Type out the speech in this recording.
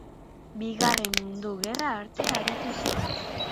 Bigarren Mundu Gerra arte aritu zen.